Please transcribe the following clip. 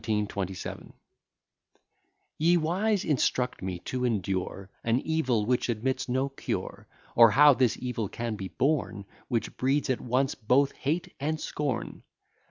ON CENSURE 1727 Ye wise, instruct me to endure An evil, which admits no cure; Or, how this evil can be borne, Which breeds at once both hate and scorn.